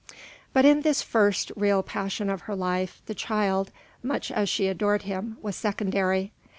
But in this first real passion of her life, the child, much as she adored him, was secondary.